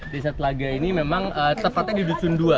desa telaga ini memang tepatnya di dusun dua